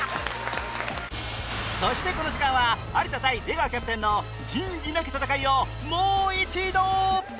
そしてこの時間は有田対出川キャプテンの仁義なき戦いをもう一度！